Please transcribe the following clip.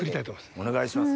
お願いします。